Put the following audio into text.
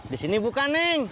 di sini bukan neng